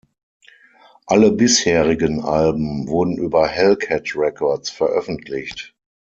Alle bisherigen Alben wurden über Hellcat Records veröffentlicht.